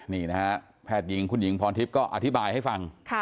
นี่นะฮะแพทย์หญิงคุณหญิงพรทิพย์ก็อธิบายให้ฟัง